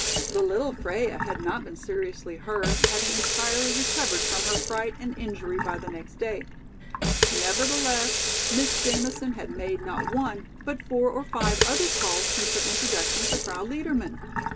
The little Freia had not been seriously hurt, having entirely recovered from her fright and injury by the next day. Nevertheless, Miss Jamison had made not one, but four or five other calls since her introduction to Frau Liedermann.